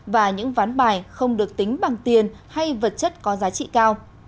và những ván bài không được tính bằng tiền hay vật chất có giá trị cao